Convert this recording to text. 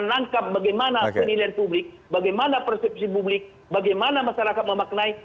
menangkap bagaimana penilaian publik bagaimana persepsi publik bagaimana masyarakat memaknai